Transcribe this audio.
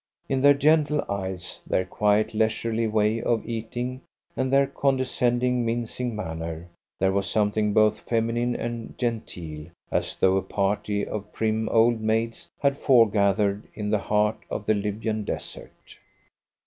In their gentle eyes, their quiet, leisurely way of eating, and their condescending, mincing manner, there was something both feminine and genteel, as though a party of prim old maids had foregathered in the heart of the Libyan Desert.